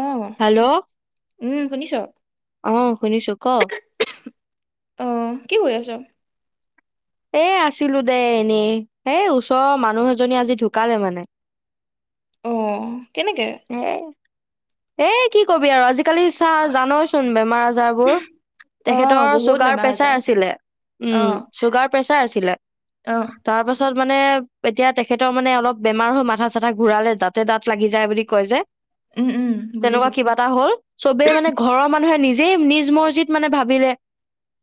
অহ, hello উম শুনিছ? অ শুনিছো ক অহ, কি কৰি আছ? এ আছিলো দেই এনেই, হ ওচৰৰ মানুহ এজনী আজি ঢুকালে মানে। অঁ কেনেকে? এ এ কি কবি আৰু আজি কালি চা জানই চোন বেমাৰ আজাৰ বোৰ। অহ তেখেতৰ বহুত চুগাৰ, বেমাৰ হৈছে প্ৰেচাৰ আছিলে উম অহ চুগাৰ প্ৰেছাৰ আছিলে। অহ তাৰ পাছত মানে এতিয়া তেখেতৰ মানে অলপ বেমাৰ হৈ মাথা চাথা ঘূৰালে তাতে, দাঁত লাগি যায় বুলি কয় যে। উম উম। তেনেকুৱা বুজিছো কিবা এটা হ'ল, চবে মানে ঘৰৰ মানুহে নিজে যেই নিজ মৰজিত মানে ভাবিলে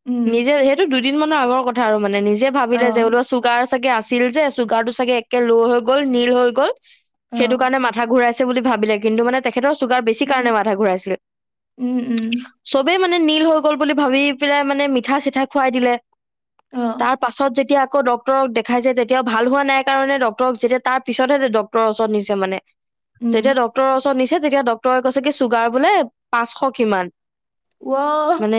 উম নিজে, সেইটো দুই দুদিন মানৰ আগৰ কথা আৰু মানে নিজে যে ভাবিলে অহ যে লোক চুগাৰ চাগে আছিল যে চুগাৰ টো চাগে একে ল' হৈ গ'ল নীল হৈ গ'ল অহ সেইটো কাৰণে মাথা ঘূৰাইছে বুলি ভাবিলে কিন্তু মানে তেখেতৰ চুগাৰ বেছি কাৰণে মাথা ঘূৰাইছিল। উম উম চবেই মানে নীল হৈ গ'ল বুলি ভাবি পেলাই মানে মিঠা-চিঠা খুৱাই দিলে। অহ তাৰ পাছত যেতিয়া আকৌ ডক্টৰক দেখাইছে তেতিয়াও ভাল হোৱা নাই কাৰণে ডক্টৰক যেতিয়া, তাৰ পিছতহে ডক্টৰৰ ওচৰত নিছে মানে। উম যেতিয়া ড্ক্তৰৰ ওচৰত নিচছে যেতিয়া ডক ডক্টৰে কৈছে কি চুগাৰ বোলে পাঁচশ কিমান। ৱ মানে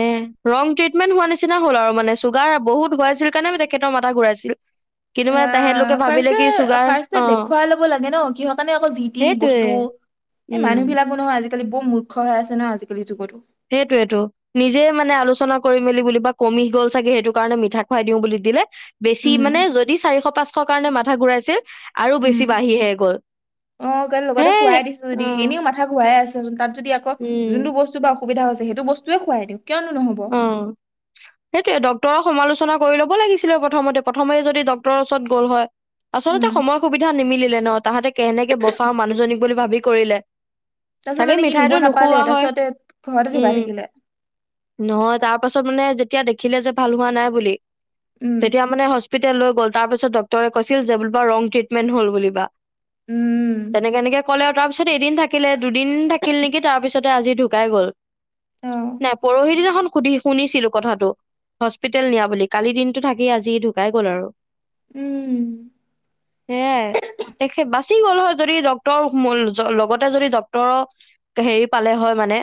ৰং ট্ৰিটমেণ্ট হোৱা নিচিনা হ'ল আৰু মানে চুগাৰ বহুত হোৱা আছিল কাৰণে তেখেতৰ মাথা ঘূৰাইছিল। কিন্তু মানে এয়া তেহেতলোকে ভাবিলে ফাৰ্ষ্টে কি চুগাৰ ফাৰ্ষ্টটোয়ে অ', দেখুৱাই ল'ব লাগে ন, কিহৰ কাৰণে আকৌ জি টি সেইটোয়ে বস্তু। এই মানুহ উম, বিলাকো নহয় আজি বোম মূৰ্খ হৈ আছে ন আজিকি যুগতো। সেইটোৱেটো, নিজে মানে আলোচনা কৰি মেলি বুলি বা কমি গল চাগে সেইটো কাৰণে মিঠা খোৱাই দিও বুলি দিলে বেছি উম মানে যদি চাৰিশ পাঁচশ কাৰণে মা কথা ঘূৰাইছে। উম অ গ হে লগতে খোৱাই দিছো যদি অ', এনেও মাথা ঘোৰাাই আছে তাত যদি আকৌ যোনটো উম, বস্তু বা। সুবিধা হৈছে সেইটো বস্তুৱে খুৱাই দিওঁ। কিয়নো নহব উম সেইটোয়ে ড। ডটৰক সমালোচনা কৰি ল'ব লাগিছিলে প্ৰথমতে প্ৰথমে যদি ড্টৰৰ ওচৰত গ'ল হয়। আচলতে উম সময় সুবিধা নিমিলিলে ন তাহাঁতে কেনেকে বচাও মানুহজনীক। বুলি ভাবি কৰিলে। তাৰপিছত চাগে মানে কি নিব মিঠাইটো নাপালে নোখোৱা হয় তাৰপিছতে ঘৰতে উম, ধুবাই থাকিলে। নহয় তাৰ পাছত মানে যেতিয়া দেখিলে যে ভাল হোৱা নাই বুলি। উম তেতিয়া মানে হস্প। লৈ গ'ল তাৰ পিছত ডক্টৰে কৈছিল যে বোলা ৰং ট্ৰিটমেণ্ট হল বুলি বা। উম তেনেকে এনেকে ক'লেও তাৰ পিছত। ত এদিন থাকিলে দুদিন থাকিল নেকি। তাৰ পিছতে আজি ঢুকাই গ'ল। অ নাই পৰোহ ন। খন সুধি শুনিছিলো কথাটো হস্পিতেল নিয়া বুলি কালি দিনটো থাকি আজি ঢুকাই গ'ল আৰু। উম হে দেখে বাচি গল হয়। যদি ডটৰ লগতে যদি ডক্তৰৰ হেৰি পালে হয় মানে।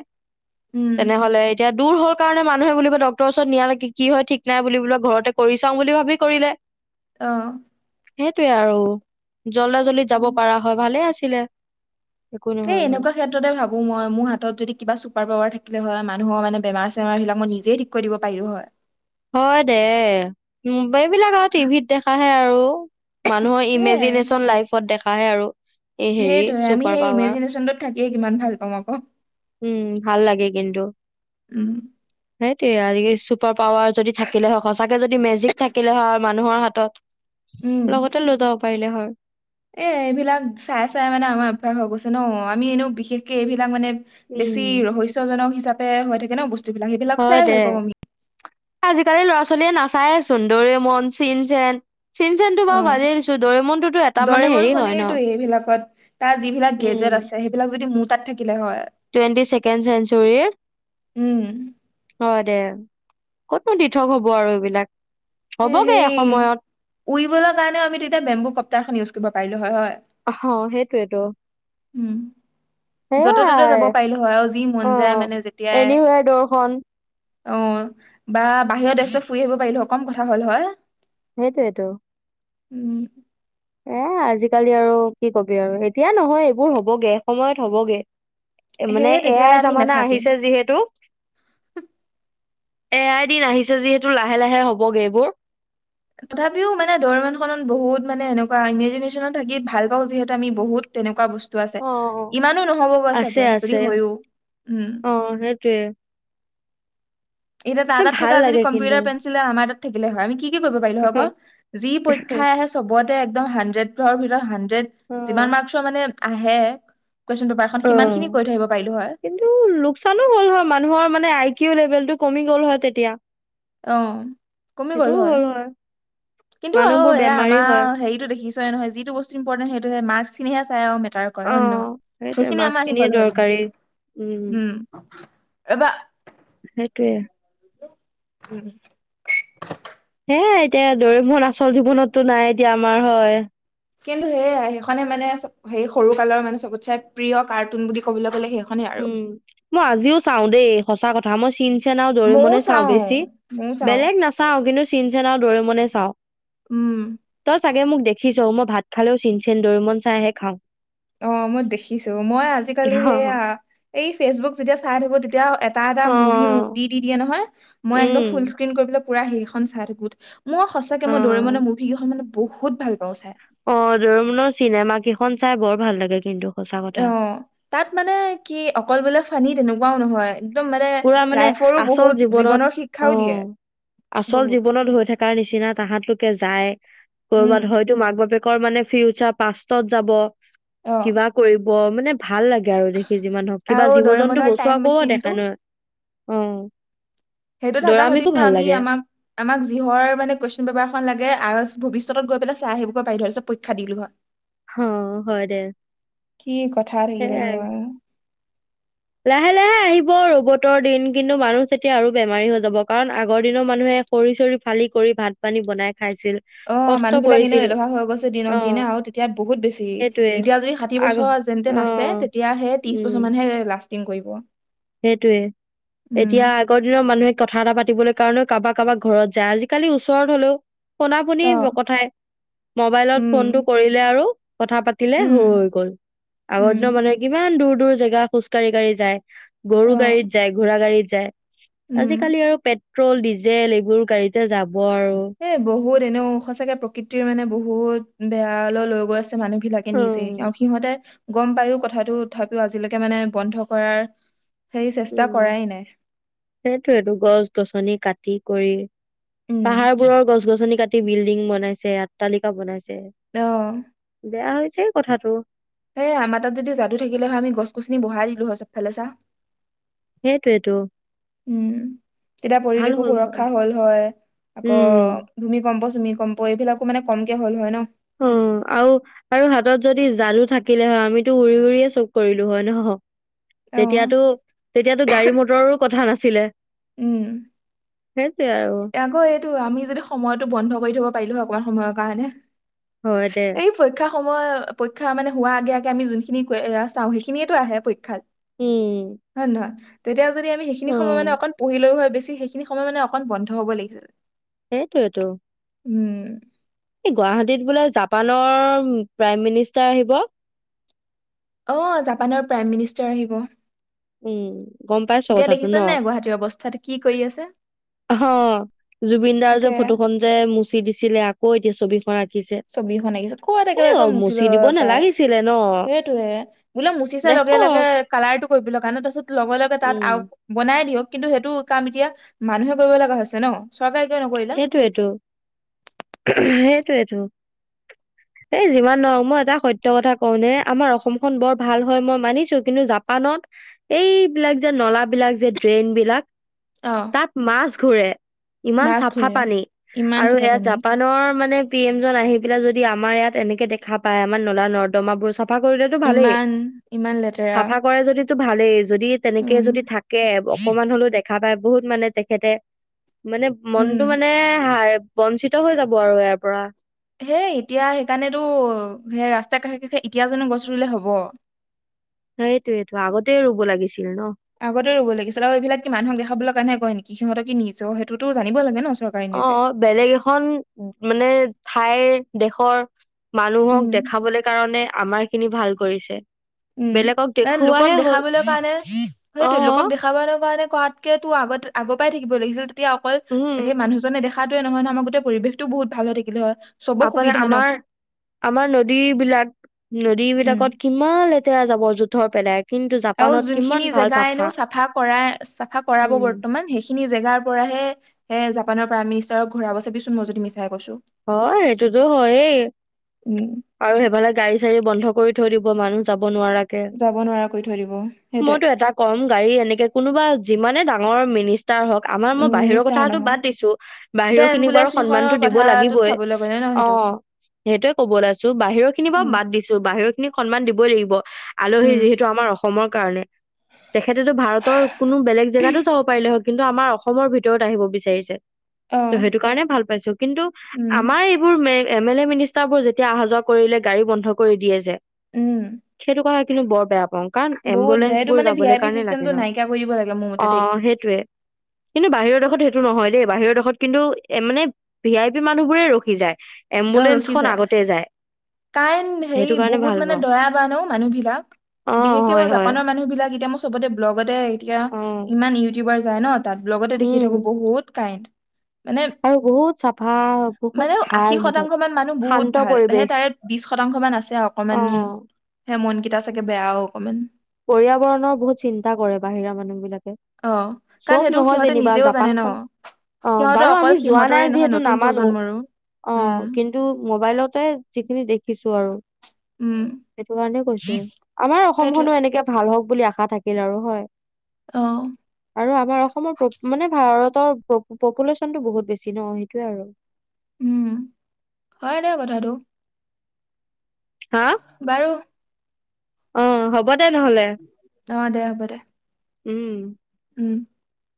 উম তেনেহলে এতিয়া। দূৰ হ'ক। কাৰণে মানুহে বুলা ডক্টৰৰ ওচৰত নিয়ালেক কি হয় ঠিক নাই বুলি বোলা ঘৰতে কৰি চাও বুলি ভাবি কৰিলে। অ সেইটয়ে আৰু জলা জলিত যাব পা হয় ভালে আছিল। চিলে। এ এনেকুৱা ক্ষেত্ৰতে ভাবো মই মোৰ হাতত যদি কিবা চুপাৰ পাৱাৰ থাকিলে হয় মান। মানুহ মানে বেমাৰ চেমাৰ বিবাক ম নিজে ঠিক কৰি দিব পাৰিলো হয়। হয় দে এইবিলাক আৰু টিভিত দেখা। স আৰু। মানুহৰ ইমেজিনেশচন লাইফত দেখা। আহে আৰু। এই হেৰি সেইটোহে আমি চুপাৰ সেই পাৱাৰ ইমেজিনেশচনটোত থাকিয়ে কিমান ভাল পাাম আকৌ। উম ভাল লাগে কিন্তু। উম। সেইটয়ে আজি চুপাৰ পাৱাৰ যদি থাকিলে হওক সঁচাকে যদি মেজিক থাকিলে হয় মানুহৰ হাতত। উম লগতে লৈ যাও। পাৰিলে হয় এ এইবিলাক চাই চাই মানে আমাৰ অভ্যাস হৈ গৈছে ন আমি এনেও বিশেষকে এইবিলাক মানে উম বেছি ৰহস্য জনক হিচাপে হৈ থাকে ন বস্তু যিবিলাক সেইবিলাক হয় চাই দে ভাল পাওঁ আমি আজিকালি ল'ৰা ছোৱালীয়ে নাচায়চোন দৰে মন চিন চেন চিন চেনটো বাৰু অ বাদেই দিছো দৰিমনটোতো এটা মানে হেৰি হয় ন দৰিমনখনেইতো এইবিলাকত তাৰ যিবিলাক উম গেজেট আছে সেইবিলাক যদি মুঠ তাত থাকি টুৱেণ্টি ছেকেণ্ড চেঞ্চুৰীৰ উম হয় দে কতো দিথক হ'ব আৰু এইবিলাক হ'বগে সেই এসময়ত উৰিবলে কাৰণে আমি তেতিয়া বেম্বু কপ্তাৰখন ইউজ কৰো কৰিব পাৰিলো হয় হয় অ সেইটোৱেতো উম য'তে ত'তে যাব সেইয়াই পাৰিলো হয় আৰু যি মন যায় মানে অ যেতিয়াই এনিৱেৰ দৰ্শন অ বা বাহিৰত দেশ ছেশ ফুৰি আহিব পাৰিলো হয় কম কথা হ'ল হয় সেইটোৱেটো উম এ আজিকালি আৰু কি কবি আৰু এতিয়া নহয় এইবোৰ হ'বগে সময়ত হ'বগে মানে সেয়ে এ তেতিয়ালে আই আমি জামানা নাথাকিম আহিছে যিহেতু এ আই দিন আহিছে যিহেতু লাহে লাহে হ'বগে এইবোৰ তথাপিও মানে দৰেমনখনত বহুত মানে এনেকোৱা ইমেজিনে্চনত থাকি ভাল পাওঁ যিহেতু আমি বহুত তেনেকোৱা বস্তু আছে অ অ ইমানো নহবগৈ আছে চাগে আছে যদি হয়ো উম অ সেইটোয়ে এতিয়া তাৰ তাত ভাল থকা যদি লাগে কিন্তু কম্পিউটাৰ পেঞ্চিলে আমাৰ তাত থাকিলে হয় আমি কি কি কৰিব পাৰিলো হয় আকৌ যি পৰীক্ষাই আহে চবত একদম হান্ডেডৰ ভিতৰত হান অ যিমান মাৰ্ক্সৰ মানে আহে কুৱেশ্যন পেপাৰখন অ সিমানখিনি কৰি থৈ আহিব পাৰিলো হয় কিন্তু লোকচানো হ'ল হয় মানুহৰ মানে আই কিও লেভেল টো কমি গ'ল হয় তেতিয়া অ কমি গল সেইটোও হয় হ'ল কিন্তু আৰু মানুহবোৰ এয়া বেমাৰী আমাৰ হয় হেৰিটো দেখিছই নহয় যিটো বস্তু ইম্পৰ্টেণ সেইটোহে মাৰ্ক চ খিনিহে চাই অ মে তাৰ কৰে অ হয় নে নহয় সেইটোৱে সেইখিনি মাক্স আমাৰ আহি খিনিয়ে গ'ল হয় কিন্তু দৰকাৰী উম এবা সেইটোৱে উম এ এতিয়া ডৰিমন না আচল জীৱনতো নাই এতিয়া। আমাৰ হয়। কিন্তু সেয়া সেইখনে মানে সেই সৰু কালৰ মানে চবতচে প্ৰিয় কাৰ্টুন বুলি ক'বলৈ গ'লে সেই উম মই আজিও চাওঁ দেই সঁচা কথা। তাম চিন চিনচেন আৰু ময়ও ডৰিমনয়ে চাওঁ চাও বেছি, ময়ও চাও বেলেগ নাচাওঁ কিন্তু চিনচেন ডৰিমনে চাওঁ। উম ত চাগে মোক দেখিছ মই ভাত খালেও চিনচেন ডৰিমন চাইহে খাওঁ। অ মই দেখিছোঁ, মই আজিকালি সেয়া এই ফেচবুক যেতিয়া চাই থাকো, তেতিয়া এটা এটা অ মুভি অ', দি দি দিয়ে নহয়, মই একদম ফুল উম স্ক্ৰন কৰি পেলাই পুৰা সেইখন চাই থাকো। মই সঁচাকে অ ডৰিমনে মুভি কেইখন মানে বহুত ভাল পাওঁ চাই। অ দমনৰৰ চিনেমা কেইখন চাই বৰ ভাল লাগে কিন্তু। সঁচা অ কথা। তাত মানে কি অকল বোলে ফানি তেনেকুৱা নহয়। একদম মানে পুৰা মানে লাইফৰো আচল বহুত জীৱনত জীৱনৰ শিক্ষাও দিয়ে অঁ, আচল বহুত জীৱনত হৈ থাকে। কাৰ নিচিনা তাহাঁত লোকে যায়। উম কৰ'বাত হয়তো মাক বাপেক ৰ মানে ফিউচাৰ পাষ্টত যাব। অ কিবা কৰিব অ মানে ভাল লাগে আৰু দেখি যিমান ধৰক কিবা আৰু জীৱ জন্তু দৰেমনৰ বচোৱা টাইম আকৌ মেচিনটো দেখা নহয়। উম। সেইটো থকা হতি আমি আমাক আমাক যিহৰ মানে কুৱেশন পেপাৰখন লাগে আ ভৱিষ্যত গৈ পেলাই চাই আহিব পাৰিলো হয়, তাৰ পিছত পৰীক্ষা দিলো হয়। অ হয় দে, কি কথা থাকিলে সেইয়াই আৰু। হয় লাহে লাহে আহিব ৰবটৰ দিন, কিন্তু মানুহ যেতিয়া আৰু বেমাৰী হৈ যাব, কাৰণ আগৰ দিনৰ মানুহে খৰি চৰি ফালি কৰি ভাত পানী বনাই খাইছিল। অ কষ্ট মানুহ বিলাক এনে কৰিছিল আলেহুৱা হৈ গৈছে দিনক দিনে অ আৰু তেতিয়া বহুত বেছি সেইটোৱে এতিয়া যদি ষাঠী আগ বছৰ যেন অ তেন আছে তেতিয়াা সেই ত্ৰিশ বছৰ উম মানহে লাষ্ট টিং কৰিব। সেইটোৱে উম এতিয়া আগৰ দিনৰ মানুহে কথা এটা পাতিবলৈ কাৰণেও কাৰোবাৰ কাৰবাৰ ঘৰত যায়, আজিকালি ওচৰত হলেও শুনা পুনি অ কথাই মোবাইলত ফোনটো উম কৰিলে আৰু কথা পাতিলে উম হৈ গ'ল আগৰ উম দিনৰ মানুহে কিমান দূৰ দূৰ জেগা খোজ কাঢ়ি কাঢ়ি যায় গৰু অ গাড়ীত যায় ঘোৰা গাড়ত যাই উম আজিকালি আৰু পেট পেট্ৰল ডিজেল এইবোৰ গাড়ীতে যাব হ'ব আৰু এ বহুত এনেওঁ সচাঁকে প্ৰকৃতিৰ মানে বহুত বেয়া লৈ লৈ গৈ আছে মানুহ বিলাকে নিজে উম আৰু সিহঁতে গম পায়ো কথাটো তথাপিও আজিলৈকে মানে বন্ধ কৰাৰ সেই চেষ্টা উম কৰাই নাই সেইটোয়টো গছ গছনি কাটি কৰি উম পাহাৰবোৰৰ গছ গছনি কাটি বিল্ডিং বনাইছে আট্টালিকা বনাইছে অ বেয়া হৈছে। ছে কথাটো সে আমাৰ তাত যদি যাদু থাকিলে হয় আমি গছ গছনি বঢ়াই দিলো হয় সবফালে চা সেইটোৱেই তো উম তেতিয়া পৰিৱেশ হয় সুৰক্ষা হল হয় উম আকৌ ভূমিকম্প তুমি গম প এইবিলাকো মানে কমকে' হয় ন উম আৰু আৰু হাতত যদি ঝাৰু থাকিলে হয় আমিতো উৰি উৰিয়ে চব কৰিলো হয় নহ। অ তেতিয়াতো তেতিয়াতো গাড়ী মটৰো কথা নাছিলে উম সেইটোৱে আৰু আকৌ এইটো আমি যদি সময়তো বন্ধ কৰি থব পাৰিলো হক। অকনমান সময়ৰ কাৰণে হয় দে এই পৰীক্ষাৰ সময় পৰীক্ষা মানে হোৱা আগে আগে আমি যোনখিনি এ চাওঁ সেইখিনিয়েতো আহে পৰীক্ষাত উম হয়নে নহয় তেতিয়া যদি আমি সেইখিন অ সময় মানে অকন পঢ়িলো হয়ে বেছি সেইখিন সময় মানে অকণ বন্ হ'ব লাগিছে সেইটোৱেতো উম এই গুৱাহাটীত বোলে জাপানৰ প্ৰাইম মিনিষ্টাৰ আহিব অ জাপানৰ প্ৰাইম মিনিষ্টাৰ আহিব উম গম পাইছ এতিয়া কথাটো দেখিছে নে ন নাই গুৱাহাটীৰ অৱস্থা কি কৰি আছে অ জুবিন দাৰ একে যে ফটো খন যে মুচি দিছিলে আকৌ ছবি পৰা আকি ছবিখনিছে ক'ত একে এক মুচি লৈ দিব পাই নালাগিছিলে ন সেইটোয়ে বোলে মুচিছোই লগে লগে দেখক কালাৰটো কৰিবলৈ কাৰণে তাৰপিছত লগে লগে তাত উম আৰু বনাই দিয়ক কিন্তু সেইটো কাম এতিয়া মানুহে কৰিব লগা হৈছে ন চৰকাৰে কিয় নকৰিলে সেইটোৱেইটো সেইটোৱেইটো এই যিমান নোৱাৰো মই এটা সত্য কথা কওঁনে আমাৰ অসমখন বৰ ভাল হয় মই মানিছো কিন্তু জাপানত এইবিলাক যে নলা বিলাক যে ড্ৰেইন বিলাক অ তাত মাছ ঘূৰে ইমান মাছ চাপ ঘূৰে হাপানী ইমান আৰু চেপা এয়া পানী জাপানৰ মানে পি এম জন আহি পেলাই যদি আমাৰ ইয়াত এনেকে দেখা পায় আমাৰ নলা নৰ্দমা বোৰ চব চাফা কৰিলেতো ভালেই ইমান ইমান লেতেৰা চাফা কৰে যদি ভালে যদি তেনেকে উম যদি থাকে অকমান হলেও দেখা পায় বহুত মানে তেখেতে মানে মন উম টো মানে হাই বঞ্চিত হৈ যাব আৰু ইয়াৰ পৰা হেই এতিয়া সেইকাৰণেতো সেই ৰাস্ত কাষে কাষে এতিয়াজনো গছটো ৰুলে হব সেটোৱেটো ত আগতে ৰুব লাগিছিল ন। আগতে ৰুৱ লাগিছিল আৰু এইবিলাক কি মানুহক দেখাবলৈ কাৰণেহে কৰে নেকি কি সিহঁত কি নিজৰ সেইটোতটো জানিব লাগে ন চৰকাৰে অ নিজে বেলেগ এখন মানে ঠাইৰ দেশৰ মানুহক উম দেখাবলৈ কাৰণে আমাৰ খিনি ভাল কৰিছে উম বেলেগক এ লোকক দেখুৱাহে হ'ল। দেখাবলৈ কাৰণে অ সেইটো লোকক দেখাবলৈ কাৰণে কাৰতকে টো আগতে আগৰ পৰাই থাকিব লাগিছিল তেতিয়া অকল উম সেই মানুহজনে দেখা দেখাটোৱে নহয় নহয় আমাৰ গোটেই পৰিৱেশটো বহুত ভাল হৈ থাকিলে হয়। চবৰ আপোনাৰ সুবিধা ন আমাৰ আমাৰ নদী বিলাক নদী উম বিলাকত কিমান লেতেৰা যাব জুত থৰ পেলাই। কিন্তু আৰু জাপানত কিমান যোনখিনি ভাল জেগাই এনেও চাফা কৰা চাফা কৰাব উম। বৰ্তমান সেইখিনি জেগাৰ পৰা হে, হে জাপানৰ পৰা আমি ইচৰক ঘৰাব চাবিচোন ম যদি মিছ অ', সেইটোতো হয়েই উম আৰু সেইফালে গাড়ী চাৰী বন্ধ কৰি ধৰিব মানুহ যাব নোৱাৰাকে, যাব নোৱাৰা কৰি থৈ দিব সেইটোৱে ময়ো এটা কম গাডী এনে কোনোবা যিমানে মৰ মিনিচ তা হক আমাৰ মই উম বাহিৰৰ মিষ্টাৰ কথাটো নহওক বাদ দিছো এতিয়া বাহিৰৰ খিনিক বাৰু এম্বুলেন্স সন্মানতো কেইখনৰ দিব লাগি কথাটোত চাবলৈ গ'লে ন সেইটো অ', সেইটোয়ে ক'ব ওলাইছো বাহিৰৰ খিনি বাৰ উম বাদ দিছো বাহিৰ [unintelligible] খিনিক সন্মান দিবই লাগিব। আলহী উম যিহেতু আমাৰ অসমৰ। কাৰণে তেখেতেতো ভাৰতৰ কোনো বেলেগ জেগাতো যাব পাৰিলে হয়। কিন্তু আমাৰ অসমৰ ভিতৰত আহিব বিচাৰিছে। অ ত' সেইটো কাৰণে ভাল পাইছোঁ, কিন্তু উম আমাৰ এইবোৰ এ এম এল এ, মিনিষ্টাৰবোৰ যেতিয়া অহা-যোৱা কৰিলে গাড়ী বন্ধ কৰি দিয়ে যে উম সেইটোক কিন্তু বৰ বেয়া পাওঁ। কাৰণ বহুত এম্বুলেন্ঞ্চ বেয়া এইটো বোৰ মানে ভি যাবলৈ আই পি কাৰণে লাগে চিষ্টেমটো ন' নাইকিয়া কৰি দিব লাগে মোৰ মতে দেই অ', সেইটোয়ে কিন্তু বাহিৰৰ দেশত সেইটো নহয় দেই, বাহিৰৰ দেশত কিন্তু এ মানে ভি আই মানুহবোৰে ৰখি যায় অ ৰখি এম্বুলেন্ঞ্চখন যায়, আগতে টাইন সেইটো হেৰি কাৰণে ভাল বহুত মানে পাওঁ দয়াৱান অ', মানুহবিলাক, অ বিশেষকে হয় মই হয় জাপানৰ মানুহবিলাক, এতিয়া মই চবতে ব্লগতে এতিয়া অ ইমান ইউটিউবাৰ যায় নত তাত ব্ল'গতে লগতে দেখি উম থাকো বহুত কাইণ্ড। মানে আৰু বহুত চাফা, বহুত মানে ভা আশী শতাংশ মান মানুহ বহুত ভাল, হে তাৰে বিশ শতাংশ মান আছে আৰু অ অকণমান সে মনকেইটা চাগে বেয়াও কমেন পৰিয়াবৰণৰ বহুত চিন্তা কৰে, বাহিৰা মানুহবিলাকে। অ' কাৰণ চব সেইটো নহয় সিহঁতে যেনিবা, নিজেও জানে ন জাপানখন অ', সিহঁতৰ বাৰু অকল আমি যোৱা নাই সিহঁতৰে নহয় যিহেতু নতুন নামানু। প্ৰজন্মৰো অ', উম কিন্তু মোবাইলতে যিখিনি দেখিছো আৰু উম সেইটো হ [unintelligible] উ, আমাৰ সেইটোৱে অসমখনো এনেক ভাল হওঁক বুলি আশা থাকিল আৰু হয়। অ' আৰু আমাৰ অসমৰ পূব ভাৰত এৰ পপু-পপুলেশ্যনটো বহুত বেছি ন', সেইটোৱে আৰু। উম হয়নে কথাটো হা বাৰু অ হ'ব নহ'লে অ', দে হ'ব, দে। উম উম। [inaudible]